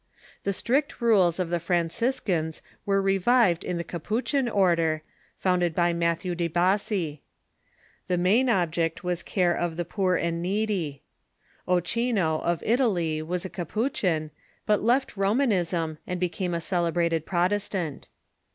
The strict rules of the Franciscans were Revived revived in the Capuchin order, founded by Matthew de Bassi. The main object was care of the poor and needy. Ochino, of Italy, was a Capuchin, but left Romanism, and be came a celebrated Protestant.